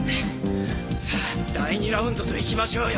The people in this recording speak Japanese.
さぁ第２ラウンドといきましょうよ。